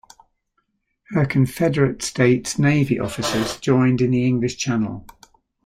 Her Confederate States Navy officers joined in the English Channel.